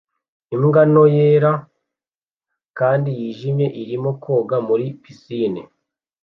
Imbwa nto yera kandi yijimye irimo koga muri pisine